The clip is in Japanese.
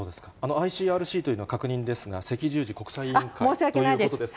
ＩＣＲＣというのは、確認ですが、赤十字国際委員会ということですね。